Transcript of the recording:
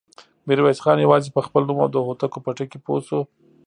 ميرويس خان يواځې په خپل نوم او د هوتکو په ټکي پوه شو.